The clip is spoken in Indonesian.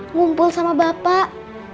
ngumpul sama bapak